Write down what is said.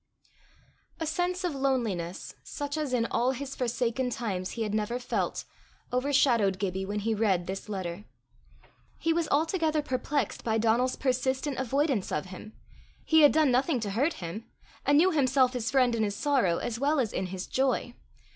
A sense of loneliness, such as in all his forsaken times he had never felt, overshadowed Gibbie when he read this letter. He was altogether perplexed by Donal's persistent avoidance of him. He had done nothing to hurt him, and knew himself his friend in his sorrow as well as in his joy.